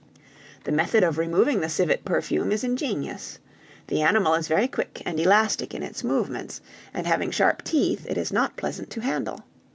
"The method of removing the civet perfume is ingenious. The animal is very quick and elastic in its movements, and having sharp teeth it is not pleasant to handle.